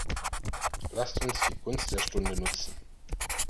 Lasst uns die Gunst der Stunde nutzen.